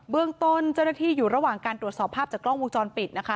เรื่องต้นเจ้าหน้าที่อยู่ระหว่างการตรวจสอบภาพจากกล้องวงจรปิดนะคะ